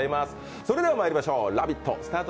それではまいりましょう、「ラヴィット！」